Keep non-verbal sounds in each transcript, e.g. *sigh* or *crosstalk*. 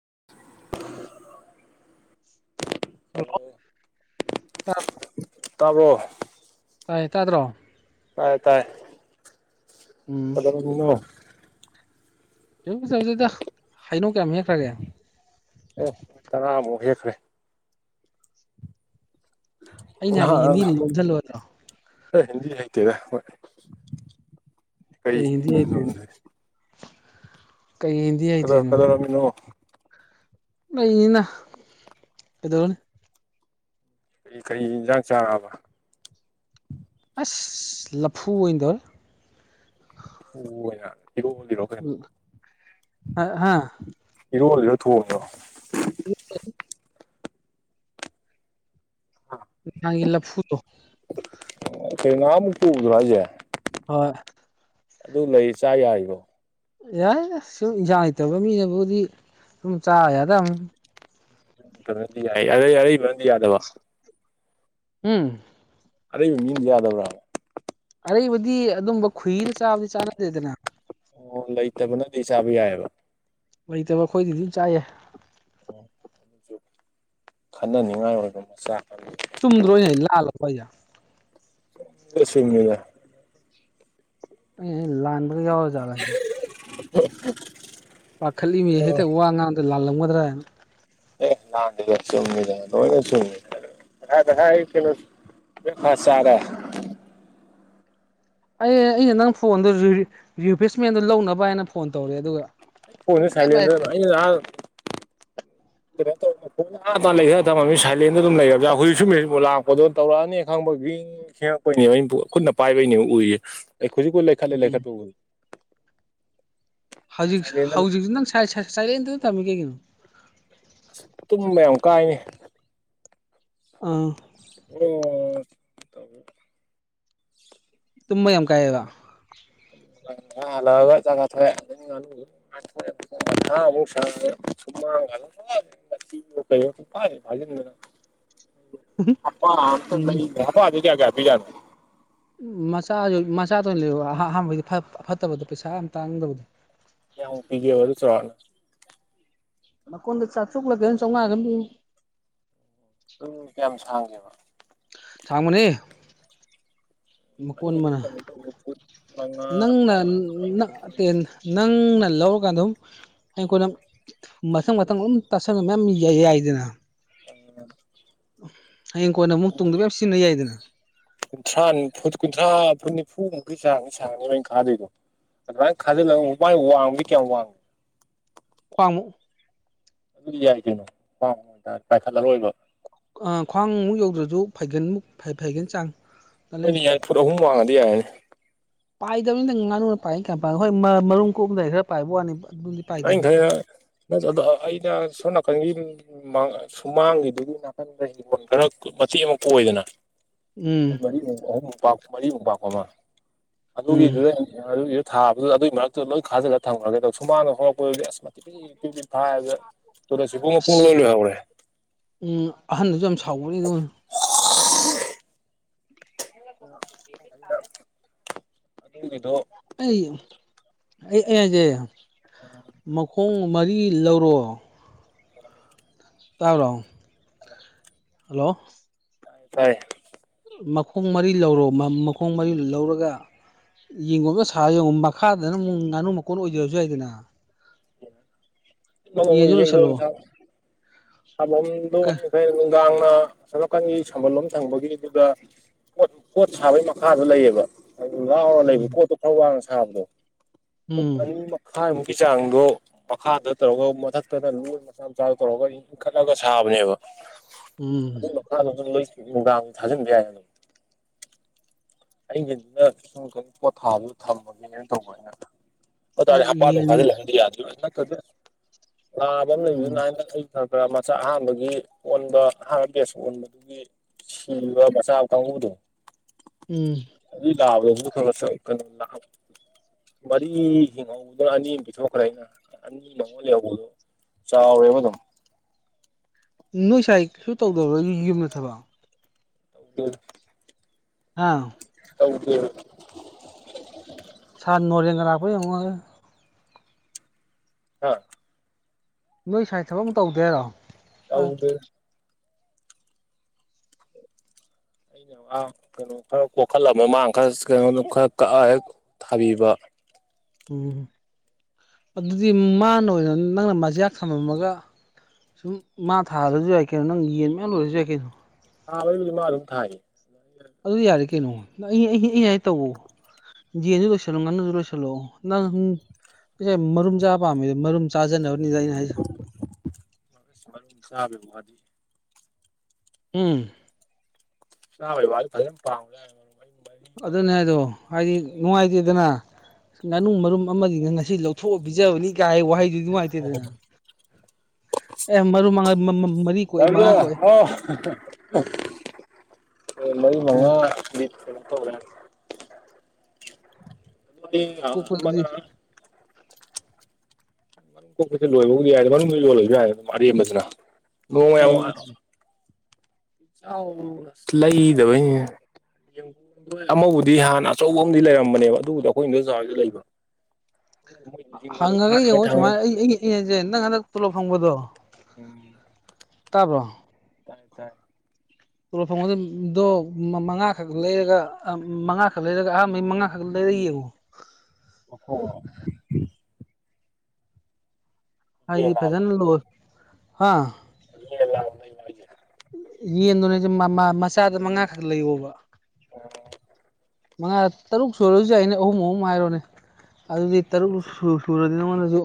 *unintelligible* hello ꯇꯥꯕ꯭ꯔꯣ ꯇꯥꯏ ꯇꯥꯗ꯭ꯔꯣ ꯇꯥꯏ ꯇꯥꯏ ꯎꯝ ꯌꯗ ꯍꯥꯏꯩꯅꯧ ꯀꯌꯥꯝ ꯍꯦꯛꯈ꯭ꯔꯒꯦ ꯑꯣ ꯇꯔꯕꯨꯣ ꯍꯦꯈ꯭ꯔꯦ ꯑꯩꯅ ꯍꯥꯏꯗꯤ ꯅꯍꯥꯟ ꯍꯤꯟꯗꯤꯅꯤ ꯂꯣꯝꯁꯤꯜꯂꯨꯗ꯭ꯔ ꯍꯤꯟꯗꯤ ꯍꯩꯇꯦꯗ ꯍꯣꯏ ꯀꯔꯤ ꯀꯩ ꯍꯤꯟꯗꯤ ꯍꯩꯇ꯭ꯔꯤꯅꯣ ꯍꯤꯟꯗꯤꯅꯣꯣꯗ ꯀꯩ ꯍꯤꯟꯗꯤ ꯀꯗ ꯍꯩꯇ꯭ꯔꯤꯅꯣꯅꯦ ꯀꯗꯔꯃꯤꯅꯣ ꯂꯩꯅꯤꯅ ꯀꯗꯅꯤ ꯀꯔꯤ ꯀꯔꯤ ꯌꯦꯟꯁꯥꯡ ꯆꯥꯡꯕ ꯂꯐꯨ ꯑꯣꯏꯗ ꯍ ꯌꯥ ꯎꯝ ꯍꯥꯥ ꯏ ꯑꯣꯏ ꯂꯣ ꯊꯉꯅꯣ ꯎ ꯅꯪꯂ ꯐꯨꯠꯇꯣ ꯀꯩꯅꯥꯃꯨꯛ ꯇꯗ꯭ꯔꯣ ꯍꯥꯏꯁꯦ ꯍꯣꯏ ꯑꯗꯨ ꯂꯩ ꯆꯥ ꯌꯥꯔꯤꯕꯣ ꯌꯥꯏ ꯁꯨꯝ ꯏꯟꯁꯥꯡ ꯂꯩꯇꯕ ꯃꯤꯅꯕꯨꯗꯤ ꯁꯨꯝ ꯆꯥ ꯌꯥꯗꯕ ꯗꯤ ꯌꯥꯏ ꯑꯔꯩ ꯑꯔꯩ ꯃꯔꯝꯗꯤ ꯌꯥꯗꯕ ꯎꯝ ꯑꯔꯤꯕ ꯃꯤꯡꯗꯤꯌꯥꯗꯕꯔ ꯑꯔꯩꯕꯗꯤ ꯑꯗꯨꯝꯕ ꯈꯨꯏꯔ ꯆꯥꯕꯗꯤ ꯆꯥꯟꯅꯗꯦꯗꯅ ꯑꯣ ꯂꯩꯇꯕꯅꯗꯤ ꯆꯥꯕ ꯌꯥꯏꯑꯕ ꯂꯩꯇꯕ ꯑꯩꯈꯣꯏꯗꯤ ꯑꯗꯨꯝ ꯆꯥꯏꯑ ꯑꯗꯨ ꯈꯟꯅꯅꯤꯡꯉꯥꯏ ꯑꯣꯏꯕ ꯃꯆꯥꯥꯛ ꯆꯨꯝꯗ꯭ꯔꯣꯅꯦ ꯂꯥꯜꯂꯕꯖ ꯀꯁꯨꯃꯤꯗ ꯂꯥꯟ ꯌꯥꯎ ꯆꯒꯥꯅꯤ ꯍ ꯄꯥꯈꯠꯂꯤꯃꯤ ꯍꯦꯛꯇ ꯋꯥ ꯉꯥꯡꯗ ꯂꯥꯜꯂꯝꯒꯗ꯭ꯔꯥ ꯍꯥꯏꯅ ꯆꯃꯤꯗ ꯀꯁꯨꯃꯤ ꯍꯗ ꯀꯩꯅꯣ ꯆꯗ ꯑꯦ ꯑꯩꯅ ꯅꯪ ꯐꯣꯟꯗꯣ ꯔꯤꯄ꯭ꯂꯦꯁꯃꯦꯟꯗꯣ ꯂꯧꯅꯕ ꯍꯥꯏꯅ ꯐꯣꯟ ꯇꯧꯔꯦ ꯑꯗꯨꯒ ꯄꯨꯣꯏꯁꯨ ꯁꯨꯡꯄꯥꯏ ꯁꯥꯏꯂꯦꯟꯗ ꯄꯥꯏꯔꯛꯇꯦ ꯑ ꯂꯥꯛ ꯍ ꯂꯩ ꯊꯝꯃꯃꯤ ꯁꯥꯏꯂꯦꯟꯗ ꯑꯗꯨꯝ ꯂꯩꯔꯕꯖꯥ ꯍꯧꯖꯤꯛ ꯁꯨꯝ ꯂꯥꯛꯄꯗꯣ ꯇꯧꯔꯛꯑꯅꯤ ꯈꯪꯕ ꯒ ꯠꯄꯅꯦꯕ ꯑꯩ ꯈꯨꯠꯅ ꯄꯥꯏꯕꯩꯅꯦꯕ ꯎꯏꯌꯦ ꯑꯩ ꯍꯧꯖꯤꯛꯀꯨ ꯂꯩꯈꯠꯂꯦ ꯎꯝ ꯂꯩꯈꯠꯄ ꯎꯏ ꯍꯧꯖꯤꯛ ꯍꯧꯖꯤꯛꯁꯤ ꯅꯪ ꯆꯗ ꯀ ꯀꯅꯣ ꯑꯁ ꯇꯨꯝꯕ ꯌꯥꯝ ꯀꯥꯏꯅꯦ ꯑꯥ ꯑꯣ ꯇꯨꯝꯃ ꯌꯥꯝ ꯀꯥꯏꯕ ꯂ ꯖꯒꯥ ꯊꯣꯛꯦ ꯍꯥ ꯑꯃꯛ ꯁ ꯎꯝ ꯁꯃ ꯄꯥꯏ ꯑꯗ ꯀꯒꯄꯤ ꯌꯥ ꯎ ꯃꯆꯥꯁꯨ ꯃꯆꯥꯗ ꯂꯩ ꯑꯍꯥꯟꯕꯩꯗꯤ ꯐꯠꯇꯕꯗꯣ ꯄꯩꯁꯥ ꯌꯥꯝ ꯇꯥꯡꯗꯕꯗ ꯌꯥꯝ ꯄꯒꯦ ꯑꯣꯏ ꯆꯅ ꯀꯣꯟꯗ ꯆꯥꯛ ꯆꯨꯛꯂꯒ ꯆꯪꯉꯒ ꯎꯝ ꯀꯌꯥꯝ ꯁꯥꯡꯒꯦꯕ ꯊꯃ ꯃꯅꯤ ꯑ ꯀ ꯅꯪꯅ ꯀꯨꯟ ꯅꯪꯅ ꯂꯧꯔꯀꯥꯟꯗ ꯑꯗꯨꯝ ꯑꯩꯈꯣꯏꯅ ꯃꯊꯪ ꯃꯊꯪ ꯑꯗꯨꯝ ꯇꯥꯁꯟꯕ ꯃꯌꯥꯝ ꯌ ꯌꯥꯏꯗꯅ ꯎꯝ ꯍꯌꯦꯡ ꯀꯣꯟꯅ ꯑꯃꯨꯛ ꯇꯨꯡꯗꯕꯨ ꯌꯥꯝ ꯁꯤꯖꯤꯟꯅ ꯌꯥꯏꯗꯅ ꯀꯨꯟꯊ꯭ꯔꯥ ꯀꯨꯟꯊ꯭ꯔꯥ ꯐꯨꯟ ꯅꯤꯐꯨꯃꯨꯛꯩ ꯁꯥꯡꯉꯅꯤ ꯁꯥꯡꯉꯅꯤꯕꯩꯅ ꯀꯥꯗꯣꯏꯗꯣ ꯑꯗꯨꯥꯏꯅ ꯈꯥꯖꯤꯜꯂ ꯋꯥꯏ ꯋꯥꯡꯕꯗꯤ ꯀꯌꯥꯝ ꯋꯥꯡꯉꯦ ꯋꯥꯃ ꯑꯗꯨꯗꯤ ꯌꯥꯏ ꯀꯩꯅꯣ ꯄꯥꯎ ꯄꯥꯏꯈꯠꯂꯔꯣꯏꯕ ꯑ ꯈ꯭ꯋꯥꯡꯃꯨꯛ ꯌꯧꯗ꯭ꯔꯁꯨ ꯐꯩꯒꯟꯃꯨꯛ ꯐꯩꯒꯟ ꯆꯥꯡ ꯑꯩꯅꯤ ꯌꯥ ꯄꯔꯍ ꯋꯥꯥꯡꯉꯗ ꯌꯥ ꯄꯥꯏꯗꯕꯅꯤꯅ ꯉꯥꯅꯨꯅ ꯄꯥꯏ ꯀ ꯄꯥꯏ ꯍꯣꯏ ꯃꯔꯨꯝ ꯀꯣꯛꯝꯗꯥꯏ ꯈꯔ ꯄꯥꯏꯕ ꯋꯥꯅꯤꯕ ꯉ ꯊ ꯑꯩꯅ ꯁꯣꯅꯥꯀ ꯁꯨꯃꯥꯡꯒꯤꯗꯨꯒꯤ ꯅꯥꯀꯟꯗ ꯍꯤꯡꯒꯣꯜ ꯈꯔ ꯃꯇꯦꯛ ꯑꯃ ꯀꯣꯏꯗꯅ ꯎꯝ ꯃꯔꯤ ꯑꯍꯨꯝ ꯃꯔꯤꯃꯨꯛꯄꯥꯛꯄ ꯑꯃ ꯎꯝ ꯑꯗꯨꯒꯤꯗꯨꯗ ꯊꯥꯕꯗꯨꯗ ꯑꯗꯨꯒꯤ ꯃꯔꯛꯇꯗ ꯂꯣꯏ ꯈꯥꯖꯤꯂꯒ ꯊꯝꯈ꯭ꯔꯒꯦ ꯇ ꯁꯨꯃꯥꯡꯅ ꯍꯧꯔꯛꯄꯗꯨꯗꯤ ꯑꯁꯤ ꯄꯤ ꯐꯥꯏ ꯑꯁ ꯎꯝ ꯑꯍꯟꯗꯁꯨ ꯌꯥꯝ ꯁꯥꯎꯕꯅꯤꯗ *inaudible* ꯗꯨ ꯑꯩ ꯑꯩ ꯑꯩꯁꯦ ꯃꯈꯣꯡ ꯃꯔꯤ ꯂꯧꯔꯣ ꯃꯔꯝ ꯇꯥꯎꯔꯕꯣ ꯍꯜꯂꯣ ꯇꯥꯏ ꯇꯥꯏꯌꯦ ꯃꯈꯣꯡ ꯃꯔꯤ ꯂꯧꯔꯣ ꯃꯈꯣꯡ ꯃꯔꯤ ꯂꯧꯔꯒ ꯌꯦꯡꯒꯣꯝꯒ ꯁꯥꯔ ꯌꯦꯡꯉꯣ ꯃꯈꯥꯗꯅ ꯑꯃꯨꯛ ꯉꯥꯅꯨ ꯃꯀꯣꯟ ꯑꯣꯏꯖꯔꯁꯨ ꯌꯥꯏꯗꯅ ꯌꯦꯟꯁꯨ ꯌꯦꯡꯣ ꯂꯣꯏꯁꯤꯜꯂꯣ ꯁꯥ ꯑꯗ ꯐꯅꯨꯡꯗ ꯅ ꯁꯝꯅꯥꯀꯟꯒꯤ ꯁꯝꯕꯜ ꯂꯣꯝ ꯊꯪꯕꯒꯤꯗꯨꯗ ꯄꯣꯠ ꯄꯣꯠ ꯁꯥꯕꯒꯤ ꯃꯈꯥꯗ ꯂꯩꯌꯦꯕ ꯑꯗꯨ ꯉꯥꯎꯔ ꯂꯩꯕ ꯄꯣꯠꯇꯣ ꯈꯔ ꯋꯥꯡꯅ ꯁꯥꯕꯗꯣ ꯐꯨꯠ ꯎꯝ ꯑꯅꯤ ꯃꯈꯥꯏꯃꯨꯛ ꯒꯤ ꯆꯥꯡꯗꯣ ꯃꯈꯥꯗ ꯇꯧꯔꯒ ꯃꯊꯛꯇꯅ ꯂꯣꯏ ꯃꯆꯥ ꯃꯆꯥ ꯇꯧꯔꯒ ꯈꯠꯂꯒ ꯁꯥꯕꯅꯦꯕ ꯎꯝ ꯑꯗꯨ ꯃꯒꯥꯝ ꯊꯖ ꯌꯥ ꯌꯥꯅꯨ ꯑꯩꯒꯤꯗꯨꯅ ꯁꯨꯝ ꯀꯩꯅꯣ ꯄꯣꯊꯥꯗꯨ ꯊꯃꯅꯤ ꯀꯩꯅ ꯇꯧꯕꯅꯤꯅ ꯑꯗꯨꯇꯥꯔꯗꯤ ꯎꯝ ꯍꯄꯥꯗꯣ ꯌꯦꯟ ꯐꯥꯖꯤꯜꯂꯛꯑꯗꯤ ꯌꯥꯗ꯭ ꯅ ꯂꯥꯕ ꯑꯃ ꯂꯩꯕꯗꯨꯅ ꯎꯝ ꯑꯗꯨꯒ ꯃꯆꯥ ꯑꯍꯥꯟꯕꯒꯤ ꯑꯣꯟꯕ ꯑꯍꯥꯟꯕ ꯕꯦꯁ ꯑꯣꯟꯕꯗꯨꯒꯤ ꯁꯤ ꯃꯁꯥꯎ ꯀꯥꯎꯗ ꯎꯝ ꯀ ꯂꯕꯗꯦ ꯁ ꯃꯔꯤ ꯍꯤꯡꯍꯧꯕꯗꯅ ꯑꯅꯤ ꯑꯃ ꯄꯤꯊꯣꯛꯈ꯭ꯔꯦ ꯑꯩꯅ ꯑꯅꯤ ꯃꯉꯣꯟ ꯂꯩꯍꯧꯕꯗꯣ ꯆꯥꯎꯋꯦꯕ ꯑꯗꯨꯝ ꯅꯣꯏꯁꯥꯏ ꯀꯩꯁꯨ ꯇꯧꯗꯔꯣꯏ ꯌꯨꯝꯗ ꯊꯕꯛ ꯇ ꯎꯗ ꯑꯥ ꯇꯧꯗꯦ ꯁꯥꯟ ꯅꯔꯤꯦꯡꯒ ꯂꯈꯣꯏ ꯌꯦꯡꯉ ꯑꯥ ꯅꯣꯏ ꯁ꯭ꯋꯥꯏ ꯊꯕꯛ ꯑꯃ ꯇꯧꯗꯦꯔꯣ ꯇꯧꯗ ꯑꯩꯅ ꯀꯩꯅꯣ ꯈꯔ ꯀꯣꯛꯈꯠꯂ ꯃꯃꯥꯡ ꯈꯔ ꯀꯩꯅꯣ ꯈꯔ ꯀꯛꯑ ꯍꯦꯛ ꯊꯥꯕꯤꯕ ꯎꯝ ꯑꯗꯨꯗꯤ ꯃꯥꯅ ꯑꯣꯏꯅ ꯅꯪꯅ ꯃꯖꯤꯌꯥꯛ ꯊꯝꯃꯝꯃꯒ ꯁꯨꯝ ꯃꯥ ꯊꯥꯔꯁꯨ ꯌꯥꯏ ꯀꯩꯅꯣ ꯅꯪ ꯌꯦꯟ ꯃꯌꯥꯝ ꯂꯣꯏꯔꯁꯨ ꯌꯥꯏ ꯀꯩꯅꯣ ꯊꯥꯕꯩꯕꯨꯗꯤ ꯃꯥ ꯑꯗꯨꯝ ꯊꯥꯏꯌꯦ ꯑꯗꯨꯗꯤ ꯌꯥꯔꯦ ꯀꯩꯅꯣ ꯑꯩ ꯑꯩ ꯑꯩ ꯍꯥꯏ ꯇꯧꯋꯣ ꯌꯦꯟꯁꯨ ꯂꯣꯏꯁꯟꯂꯣ ꯉꯥꯅꯨꯁꯨ ꯂꯣꯏꯁꯟꯂꯣ ꯅꯪ ꯄꯩꯁꯥꯏ ꯃꯔꯨꯝ ꯆꯥꯕ ꯄꯥꯝꯃꯤ ꯃꯔꯨꯝ ꯆꯥꯖꯅꯕꯅꯤꯗ ꯑꯩꯅ ꯍꯥꯏꯁꯦ ꯃꯔꯨꯝ ꯆꯥꯕꯗꯤ *unintelligible* ꯎꯝ ꯆꯥꯕ ꯋꯥꯗꯤ ꯐꯖꯅ ꯄꯥꯝꯕꯖꯥꯠꯅꯤ ꯑꯗꯨꯅꯦ ꯍꯥꯏꯗꯣ ꯍꯥꯏꯗꯤ ꯅꯨꯡꯉꯥꯏꯇꯦꯗꯅ ꯉꯥꯅꯨ ꯃꯔꯨꯝ ꯑꯃꯗꯤꯅꯤ ꯑꯁꯤ ꯂꯧꯊꯣꯛꯑ ꯄꯤꯖꯕꯅꯤ ꯀꯥꯏ ꯋꯥꯍꯩꯗꯨ ꯅꯨꯡꯉꯥꯏꯇꯦꯗꯅ ꯑꯦ ꯃꯔꯨ ꯃꯉꯥ ꯃꯔꯤ *unintelligible* ꯀꯣꯛꯑꯦ ꯃꯉꯥ ꯀꯣꯛꯑꯦ ꯃꯔꯤ ꯃꯉꯥ *unintelligible* *unintelligible* ꯀꯣꯛꯄꯗꯗꯤ ꯑꯃꯅꯥ ꯀꯣꯛꯄꯁꯦ ꯂꯣꯏꯕꯕꯨꯗꯤ ꯌꯥꯏ ꯃꯔꯨꯡꯗꯣ ꯌꯣꯜꯂꯕꯁꯨ ꯌꯥꯏ ꯑꯔꯦꯝꯕꯁꯤꯅ ꯅꯣꯡꯃ ꯌꯥꯝ ꯎꯝ *unintelligible* ꯂꯩꯗꯕꯩꯅꯤꯍꯦ ꯗꯣꯏ ꯑꯃꯕꯨꯗꯤ ꯍꯥꯟꯅ ꯑꯆꯧꯕ ꯑꯃꯗꯤ ꯂꯩꯔꯝꯕꯅꯦꯕ ꯑꯗꯨꯕꯨꯗꯤꯣ ꯑꯩꯈꯣꯏ ꯏꯟꯗꯣꯆꯥꯍꯣꯏꯗ ꯂꯩꯕ *inaudible* ꯃꯣꯏꯗꯤ ꯖꯤꯡꯒꯗꯣ ꯍꯪꯉꯒ ꯈꯥꯔꯤꯉꯩ ꯌꯦꯡꯉꯣ ꯊꯝꯃꯦ ꯁꯨꯃꯥꯏꯅ ꯑꯩꯡꯉꯁꯦ ꯅꯪ ꯍꯟꯗꯛ ꯇꯣꯂꯣꯞ ꯐꯪꯕꯗꯣ ꯎꯝ ꯇꯥꯔꯕꯣ ꯇꯥꯏ ꯇꯥꯏ ꯇꯣꯂꯣꯞ ꯐꯪꯕꯗꯣ ꯃꯉꯥꯈꯛ ꯂꯩꯔꯒ ꯃꯉꯥꯈꯛ ꯂꯩꯔꯒ ꯑꯍꯥꯟꯕꯩ ꯃꯉꯥꯈꯛ ꯂꯩ ꯌꯦꯉꯣ *unintelligible* ꯌꯦꯟ ꯍꯥꯏꯗꯤ ꯂꯥꯕ ꯐꯖꯅ ꯂꯣꯏ ꯍꯥ *unintelligible* ꯌꯦꯟꯗꯨꯣꯅꯦꯁꯦ ꯃꯆꯥꯗ ꯃꯉꯥ ꯈꯛ ꯂꯩꯌꯣꯕ ꯑ ꯃꯉꯥ ꯇꯔꯨꯛ ꯁꯨꯔꯁꯨ ꯌꯥꯏꯅꯦ ꯑꯍꯨꯝ ꯑꯍꯨꯝ ꯍꯥꯏꯔꯣꯅꯦ ꯑꯗꯨꯗꯤ ꯇꯔꯨꯛ ꯁꯨꯔꯦ ꯁꯨꯔꯗꯤ ꯅꯉꯣꯟꯗꯁꯨ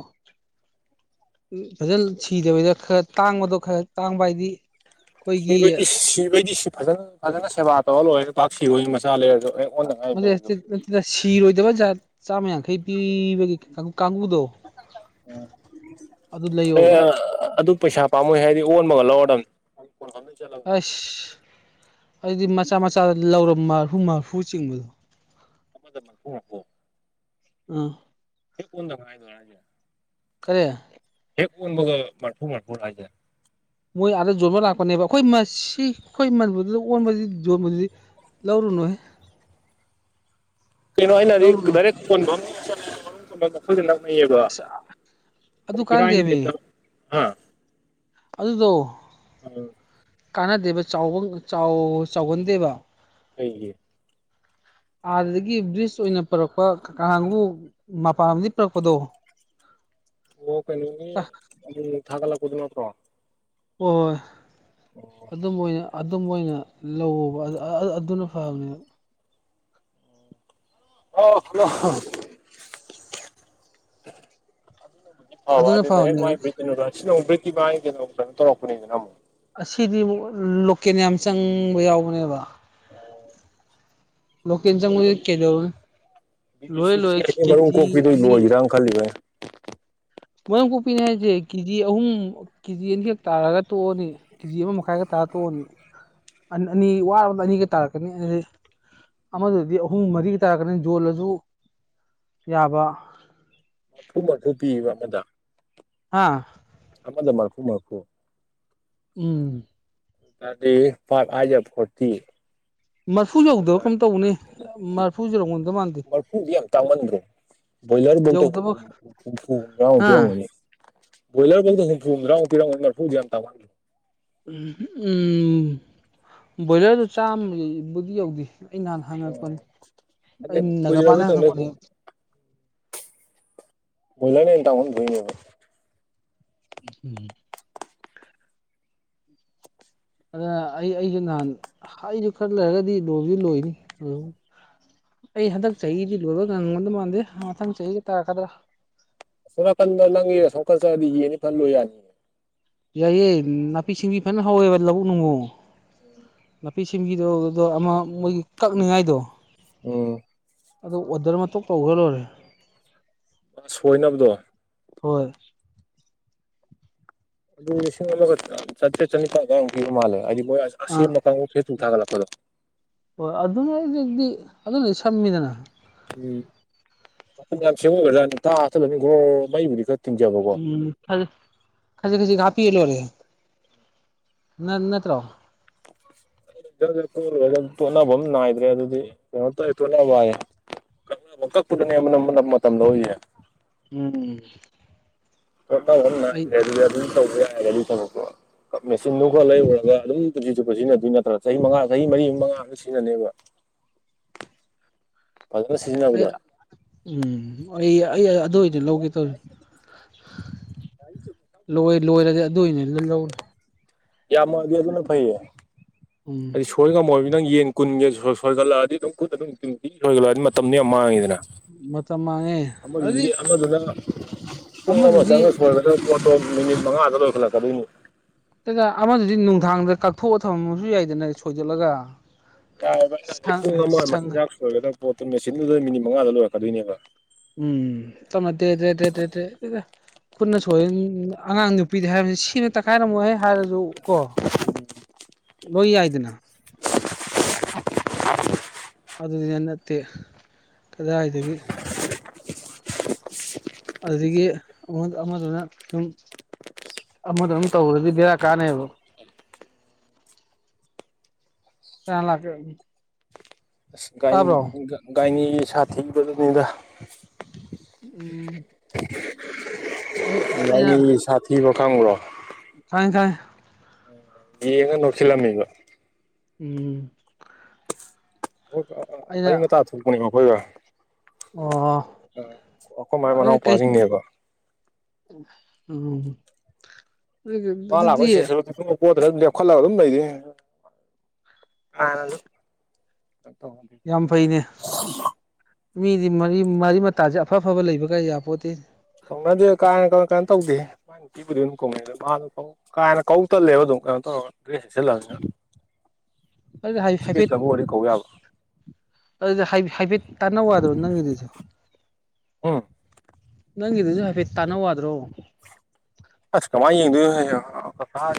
ꯐꯖꯅ ꯁꯤꯗꯕꯤꯗ ꯈꯔ ꯇꯥꯡꯕꯗꯣ ꯈꯔ ꯇꯥꯡꯕ ꯍꯥꯏꯗꯤ ꯑꯩꯈꯣꯏꯒꯤ ꯁꯤꯕꯩꯗꯤ ꯁꯤꯕꯩꯗꯤ ꯁꯤ ꯐꯖꯅ ꯐꯖꯅ ꯁꯦꯕꯥ ꯇꯧꯔ ꯂꯣꯏꯔꯦ ꯄꯥꯛ ꯁꯤꯕꯣꯏꯒꯤ ꯃꯆꯥ ꯂꯩꯔ *unintelligible* ꯁꯤꯔꯣꯏꯗꯕꯖꯥ ꯆꯥꯝꯃ ꯌꯥꯡꯈꯩ ꯄꯤꯕꯒꯤ ꯀꯥꯡꯕꯨꯗꯣ ꯑꯗꯨ ꯑꯦ ꯂꯩꯌꯣꯕ ꯑꯗꯨ ꯄꯩꯁꯥ ꯄꯥꯝꯃꯣꯏ ꯍꯥꯏꯗꯤ ꯑꯣꯟꯕꯒ ꯂꯧꯔꯗꯅꯤ ꯑꯁ ꯑꯗꯨꯗꯤ ꯃꯆꯥ ꯃꯆꯥ ꯂꯧꯔ ꯃꯔꯐꯨ ꯃꯔꯐꯨ ꯆꯤꯡꯕꯗꯣ *unintelligible* ꯑꯥ ꯑꯣꯟꯗ ꯉꯥꯏꯗꯨꯔ ꯍꯥꯏꯖꯦ ꯀꯔꯤ ꯍꯦꯛ ꯑꯣꯟꯕꯒ ꯃꯔꯐꯨ ꯃꯔꯐꯨꯔ ꯍꯥꯏꯖꯦ ꯃꯣꯏ ꯑꯥꯗ ꯌꯣꯟꯕ ꯂꯥꯛꯄꯅꯦꯕ ꯑꯩꯈꯣꯏ ꯃꯁꯤ ꯑꯩꯈꯣꯏ ꯃꯅꯤꯄꯨꯔꯗꯨꯗ ꯑꯣꯟꯕꯕꯁꯤ ꯌꯣꯟꯕꯗꯨꯗꯤ ꯂꯧꯔꯨꯅꯨꯍꯦ ꯀꯩꯅꯣ ꯑꯩꯅꯗꯤ ꯂꯧꯔꯨꯅꯨ ꯗꯥꯏꯔꯦꯛ ꯀꯣꯟ ꯐꯝ ꯂꯩꯌꯦꯕ ꯑꯁ ꯑꯗꯨ ꯃꯣꯏ ꯏꯔꯥꯏ ꯀꯥꯟꯗꯦꯃꯤ *unintelligible* ꯑꯗꯨꯗꯣ ꯎꯝ ꯀꯥꯟꯅꯗꯦꯕ ꯆꯥꯎ ꯆꯥꯎ ꯆꯥꯎꯒꯟꯗꯦꯕ ꯑꯩꯒꯤ ꯑꯥꯗꯒꯤ ꯕ꯭ꯔꯤꯁ ꯑꯣꯏꯅ ꯄꯔꯛꯄ ꯀꯥꯡꯕꯨ ꯃꯄꯗꯒꯤ ꯄꯔꯛꯄꯗꯣ *inaudible* ꯑꯣ ꯀꯩꯅꯣꯅꯤ ꯎꯝ ꯊꯥꯒꯠꯂꯛꯄꯗꯨ ꯅꯠꯇ꯭ꯔꯣ ꯍꯣꯏ ꯍꯣꯏ ꯑꯗꯨꯝꯕ ꯑꯣꯏꯅ ꯑꯗꯨꯝꯝꯕ ꯑꯣꯏꯅ ꯂꯧꯕ ꯑꯗꯨꯅ ꯐꯕꯅꯦꯕ ꯑ ꯍꯂꯣ ꯑꯕ ꯑꯗꯨꯅ ꯑꯗꯨꯗ ꯍꯦꯛ ꯐꯕꯅꯦꯕ ꯃꯥꯏ ꯕ꯭ꯔꯤꯛꯀꯤ ꯁꯤ ꯅꯨꯛ ꯕ꯭ꯔꯤꯛꯀꯤ ꯃꯥꯒꯤꯩꯅꯣ ꯀꯩꯅꯣ ꯇꯧꯔꯛꯄꯅꯤꯗꯅ ꯑꯃꯨꯛ ꯑꯁꯤꯗꯤꯨ ꯂꯣꯀꯦꯜ ꯌꯥꯝ ꯆꯪꯕ ꯌꯥꯎꯕꯅꯦꯕ ꯂꯣꯀ ꯆ ꯃ ꯀꯩꯗꯧ ꯕꯤꯗꯨ ꯂꯣꯏꯣꯏ ꯁꯤ ꯂꯣꯏ ꯆꯦꯡꯒꯤ ꯃꯔꯨꯝ ꯀꯦꯖꯤ ꯀꯣꯛꯄꯤꯗꯨ ꯑꯅꯤ ꯂꯣꯏꯒꯤꯔꯅ ꯈꯜꯂꯤꯕ ꯃꯥꯡ ꯀꯣꯛꯄꯤꯅꯤ ꯍꯥꯏꯁꯦ ꯀꯦꯖꯤ ꯑꯍꯨꯝ ꯀꯦꯖꯤ ꯑꯅꯤꯈꯛ ꯇꯥꯔꯒ ꯇꯣꯛꯑꯅꯤ ꯀꯦꯖꯤ ꯑꯃ ꯃꯈꯥꯏꯒ ꯇꯥꯔ ꯇꯣꯛꯑꯅꯤ ꯑꯅꯤ ꯋꯥꯔꯔꯕꯗ ꯑꯅꯤꯒꯩ ꯇꯥꯔꯛꯀꯅꯤ ꯑꯃꯗꯨꯗꯤ ꯑꯍꯨꯝ ꯃꯔꯤꯒꯤ ꯇꯥꯔꯛꯀꯅꯤ ꯌꯖꯣꯜꯂꯁꯨ ꯌꯥꯕ ꯃꯐꯨ ꯃꯐꯨ ꯄꯤꯕ ꯑꯃꯗ ꯍꯥ ꯃꯗ ꯃꯄꯨ ꯃꯄꯨ ꯎꯝ ꯇꯗꯤ ꯄꯥ ꯑꯖꯕ ꯈꯇ ꯃꯔꯐꯨ ꯌꯧꯗꯕ ꯀꯩꯅꯣꯝ ꯇꯧꯕꯅꯤ ꯃꯔꯐꯨ ꯌꯧꯔꯝꯒꯗꯧ ꯃꯥꯟꯗꯦ ꯃꯔꯔꯐꯨ ꯇꯥꯃꯟ꯭ꯔ ꯕꯣꯏꯂꯔꯐꯧꯗ ꯌꯧꯗꯕ ꯍꯨꯝꯐꯨ ꯍꯨꯝꯐꯨ ꯍꯨꯝꯗ꯭ꯔꯥꯃꯨꯛꯇꯤ ꯍꯥ ꯌꯥꯝꯒꯅꯤ ꯕꯣꯏꯂꯔꯐꯧꯗ ꯍꯨꯝꯐꯨ ꯍꯨꯝꯗ꯭ꯔꯥꯃꯨꯛꯇꯛ ꯄꯤ ꯐ ꯊ *inaudible* ꯎ ꯎꯝ ꯕꯣꯏꯂꯔꯗꯨ ꯆꯥꯝꯃꯕꯨꯗꯤ ꯌꯧꯗꯦ ꯑꯩ ꯅꯍꯥꯟ ꯍꯪꯉꯔꯛꯄꯅꯤ ꯑꯗꯩ ꯑ ꯒꯥꯄꯅ ꯀꯨꯏꯔꯕꯩ ꯇꯧꯅ ꯍꯪꯉꯛꯄꯅꯤ ꯍꯣꯏꯂꯅꯦ ꯇꯥꯃꯅꯒꯣꯏꯅꯤ ꯎꯝ *inaudible* ꯑꯗꯨꯗ ꯑꯩ ꯑꯩꯁꯨꯦ ꯅꯍꯥꯟ ꯑꯩꯁꯨ ꯈꯔ ꯂꯩꯔꯒꯗꯤ ꯂꯣꯁꯨ ꯂꯣꯏꯅꯤ ꯑꯗꯨ ꯑꯩ ꯍꯟꯗꯛ ꯆꯍꯤꯗꯤ ꯂꯣꯏꯔꯒ ꯉꯪꯉꯣꯟꯗ ꯃꯥꯟꯗꯦ ꯃꯊꯪ ꯆꯍꯤꯒ ꯇꯥ ꯈꯗ꯭ꯔꯥ ꯁꯣꯅꯥꯀꯟꯗ ꯅꯪꯒꯤ ꯁꯣꯀꯠꯆꯗꯤ ꯌꯦꯅꯤ ꯐꯜꯂꯨ ꯌꯥꯅꯤꯌꯦ ꯌꯥꯏꯌꯦꯦ ꯅꯥꯄꯤ ꯁꯤꯡꯕꯤ ꯐꯖꯅ ꯍꯥꯎꯋꯦꯕ ꯂꯧꯕꯨꯛ ꯅꯨꯡꯉꯣ ꯅꯥꯄꯤ ꯆꯤꯟꯒꯤꯗꯣꯗꯣ ꯑꯃ ꯃꯣꯏꯒꯤ ꯀꯛꯅꯤꯉꯥꯏꯗꯣ ꯑꯣ *inaudible* ꯑꯗꯨ ꯑꯣꯗꯔ ꯃꯇꯧ ꯇꯧꯈ ꯂꯣꯏꯔꯦ ꯑ ꯁꯣꯏꯅꯕꯗꯣ ꯍꯣꯏ ꯑꯗꯨꯒ ꯆꯠꯇꯦ ꯆꯂꯤ ꯃꯥꯜꯦ ꯑꯗꯨ ꯃꯣꯏ ꯑꯥ ꯑꯁꯦꯡꯕ ꯀꯥꯡꯕꯨ ꯐꯦꯇꯨꯝ ꯊꯥꯒꯠꯂꯛꯄꯗꯣ ꯑꯗꯨ ꯂꯩ ꯁꯃꯤꯗꯅ ꯎꯝ ꯃ ꯌꯥꯝ ꯁꯦꯡꯉꯣꯏꯒ꯭ꯔꯥ ꯇꯊꯠꯂꯅꯤ ꯈ꯭ꯔꯣ ꯃꯩꯕꯨꯗꯤ ꯈ ꯎꯝ ꯈꯖꯤ ꯈꯖꯤ ꯈꯖꯤ ꯄꯣꯦ ꯅ ꯅꯠꯇ꯭ꯔꯣ ꯀꯣꯏꯂꯨꯔꯒ ꯇꯣꯠꯅꯕ ꯑꯃ ꯅꯥꯏꯗ꯭ꯔꯦ ꯑꯗꯨꯗꯤ ꯀꯩꯅꯣ ꯇꯧ ꯇꯣꯠꯅꯕ ꯍꯥꯏꯌꯦꯦ ꯐꯨ ꯃꯗꯦ ꯎꯝ ꯇꯧꯕ ꯑꯩ ꯦ ꯑꯗꯨꯗꯤ ꯑꯗꯨꯝ ꯇꯧꯕ ꯌꯥ ꯍꯥꯏꯔꯦ ꯑꯗꯨ ꯇꯛꯄꯣ ꯃꯦꯆꯤꯟꯗꯨ ꯈꯔ ꯂꯩꯔꯨꯔꯒ ꯑꯗꯨꯝ ꯆꯨꯞꯁꯤ ꯆꯨꯞꯄ ꯁꯤꯖꯤꯟꯅꯗꯣꯏ ꯅꯠꯇ꯭ꯔ ꯆꯍꯤ ꯃꯉꯥ ꯆꯍꯤ ꯃꯔꯤ ꯃꯉꯥ ꯑꯝꯇ ꯁꯤꯖꯤꯟꯅꯅꯦꯕ *unintelligible* *inaudible* ꯐꯖꯅ ꯑꯩ ꯁꯤꯖꯤꯟꯅꯕꯗ ꯎꯝ ꯑꯩ ꯑꯩ ꯑꯗꯨ ꯑꯣꯏꯗꯤ ꯂꯧꯒꯦ ꯇꯧꯔꯤ ꯂꯣꯏ ꯂꯣꯏꯔꯗꯤ ꯑꯗꯨꯏꯅꯦ ꯑꯗꯨ ꯂꯧꯅꯤ ꯌꯥꯝꯃꯗꯤꯦ ꯑꯗꯨꯅ ꯐꯩꯌꯦ ꯎꯝ ꯍꯥꯏꯗꯤ ꯁꯣꯏꯅ ꯉꯝꯃꯣꯏ ꯅꯪ ꯌꯦꯟ ꯀꯨꯟꯒꯤ ꯁꯣꯏꯒꯠꯂꯛꯑꯗꯤ ꯑꯗꯨꯝ ꯈꯨꯠꯠꯇ ꯑꯗꯨꯝꯤ ꯁꯣꯏꯒꯠꯂꯛꯑꯗꯤ ꯃꯇꯝꯗꯨꯣ ꯌꯥꯝ ꯃꯥꯡꯉꯤꯗꯅ ꯃꯇꯝ ꯃꯥꯡꯉꯦ ꯑꯃꯗꯨꯗꯤ ꯑꯗꯨꯗꯤ ꯑꯃꯗꯨꯅ ꯄꯨꯡ ꯑꯃ ꯑꯃꯗꯨꯗꯤ ꯆꯪꯉ ꯁꯣꯏꯒ ꯣ ꯃꯤꯅꯤꯠ ꯃꯉ ꯑꯒꯗ ꯑꯣꯏꯈꯂꯥꯛꯒꯗꯅꯤ ꯑꯃꯗꯨꯗꯤ ꯅꯨꯡꯗꯥꯡꯗ ꯀꯛꯊꯣꯛꯑ ꯊꯝꯃꯁꯨ ꯌꯥꯏꯗꯅ ꯁꯣꯏꯗꯣꯛꯂꯒ ꯌꯥꯔꯦ ꯚ ꯄꯨꯡ ꯑꯃ ꯃꯆꯤꯟꯖꯥꯛ ꯁꯣꯏꯒꯗꯕ ꯄꯣꯠꯇꯨ ꯃꯦꯆꯤꯟꯗꯨꯗ ꯃꯤꯅꯤꯠ ꯃꯉꯥꯗ ꯂꯣꯏꯔꯛꯀꯗꯣꯏꯅꯦꯕ ꯎꯝ ꯃꯦꯗ꯭ꯔꯦꯗ꯭ꯔꯦꯗ꯭ꯔꯦꯇꯦꯗ ꯀꯟꯅ ꯁꯣꯏꯦ ꯑꯉꯥꯡ ꯅꯨꯄꯤꯗꯤ ꯍꯥꯏꯕꯅꯤ ꯁꯤꯅ ꯇꯛꯈꯥꯏꯔꯝꯃꯣꯏꯍꯦ ꯍꯥꯏꯔꯁꯨ ꯀꯣ ꯂꯣꯏ ꯌꯥꯏꯗꯅ *inaudible* ꯑꯗꯨꯅꯤꯅ ꯅꯠꯇꯦ ꯀꯗꯥꯏꯗꯒꯤ ꯑꯗꯨꯗꯒꯤ ꯑꯃ ꯑꯃꯗꯨꯅ ꯁꯨꯝ ꯑ ꯃꯗꯨ ꯑꯝ ꯇꯧ ꯑꯗꯨꯗꯤꯗꯦꯔ ꯀꯥꯅꯦꯕ ꯀ ꯂꯒꯦ ꯑꯁ ꯒꯥꯏꯅꯤꯒꯤ ꯁꯥꯊꯤꯕꯗꯨꯅꯤꯗ ꯎꯝ ꯑꯩ ꯑꯩꯅ ꯏꯥꯏꯅꯤ ꯁꯥꯊꯤꯕꯣ ꯈꯕ꯭ꯔꯣ ꯊꯥꯏ ꯊꯥꯏ ꯌꯦꯉ ꯅꯣꯆꯂꯝꯅꯤꯕ ꯎꯝ ꯍ ꯃ ꯑꯩꯅ ꯃꯇ ꯇꯥ ꯊꯣꯛꯄꯅꯤ ꯑꯩꯈꯣꯏꯒ ꯑꯣ ꯑꯩꯈꯣꯏ ꯃꯥꯏ ꯑꯗꯨꯗꯤ ꯀꯩ ꯃꯅꯥꯎꯄꯥ꯭ꯋꯥꯁꯤꯡꯅꯦꯕ ꯎꯝ ꯅ ꯑꯗꯨꯗꯤ ꯂꯥꯛꯣꯏ ꯁꯦꯁꯔ ꯑꯗꯨ ꯄꯣꯠꯇꯅ ꯑꯗꯨꯝ ꯂꯦꯞꯈꯠꯂꯒ ꯑꯗꯨꯝ ꯂꯩꯩꯗꯤ ꯌꯥꯝ ꯐꯩꯅꯦ *inaudible* ꯃꯤꯗꯤ ꯃꯔꯤ ꯃꯔꯤ ꯃꯇꯥꯁꯦ ꯑꯐ ꯑꯐꯕ ꯂꯩꯕꯒꯌꯥ ꯌꯥ ꯄꯣꯠꯇꯤ ꯇꯧꯅꯗꯦ ꯀꯥꯏꯅ ꯀꯃ ꯀꯃꯥꯏ ꯇꯧꯗꯦ ꯤꯕꯨ ꯀꯗꯣ ꯀꯥꯏꯅ ꯀꯧ ꯇꯜꯂꯦꯕ ꯑꯗꯨꯝ ꯀꯩꯅꯣ ꯇꯧꯔꯒ ꯗ꯭ꯔꯦꯁꯜꯂꯅꯤꯅ *inaudible* ꯑꯗꯨꯗꯤ ꯍꯥꯏꯐꯦꯠ ꯁꯤꯀꯦꯀꯕꯨ ꯋꯥꯔꯤ ꯀꯧ ꯌꯥꯕ ꯑꯗꯨꯗꯤ ꯍꯥꯏꯐꯦꯠ ꯇꯥꯅ ꯋꯥꯗ꯭ꯔꯣ ꯅꯪꯒꯤꯗꯨꯁꯨ ꯎꯝ ꯅꯪꯒꯤꯗꯨꯁꯨ ꯍꯥꯏꯐꯦꯠ ꯇꯥꯅ ꯋꯥꯗ꯭ꯔꯣ ꯑꯣ ꯀ